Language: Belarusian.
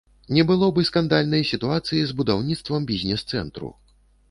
Не было б і скандальнай сітуацыі з будаўніцтвам бізнес-цэнтру.